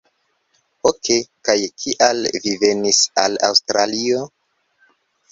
Okej, kaj kial vi venis al Aŭstralio?